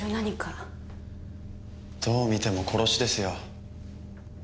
どう見ても殺しですよ。